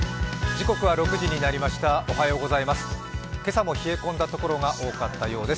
時刻は６時になりました、おはようございます。